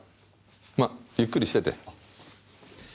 まゆっくりしてて。